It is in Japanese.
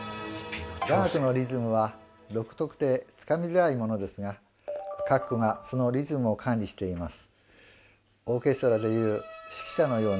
雅楽のリズムは独特でつかみづらいものですが鞨鼓がそのリズムを管理しています。